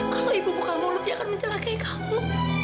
kalau ibu buka mulut dia akan mencelakai kamu